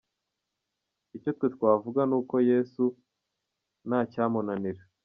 Icyo twe twavuga nuko Yesu ntacyamunanira.